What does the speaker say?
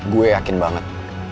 gue yakin banget